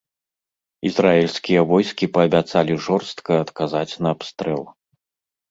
Ізраільскія войскі паабяцалі жорстка адказаць на абстрэл.